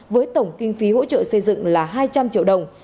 với tổng kinh phí hỗ trợ xây dựng là hai trăm linh triệu đồng